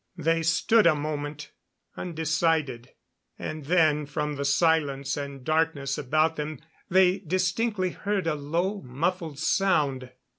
They stood a moment, undecided, and then from the silence and darkness about them they distinctly heard a low muffled sound.